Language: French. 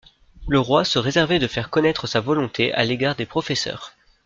Le roi se réservait de faire connaître sa volonté à l'égard des professeurs.